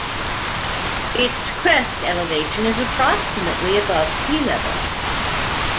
Its crest elevation is approximately above sea level.